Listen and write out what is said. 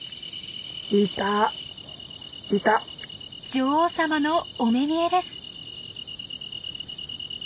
女王様のお目見えです。